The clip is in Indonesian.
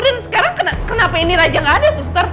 dan sekarang kenapa ini raja gak ada suster